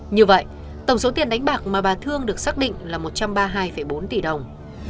như vậy tổng số tiền đánh bạc mà bà thương được xác định là một trăm ba mươi hai bốn tỷ đồng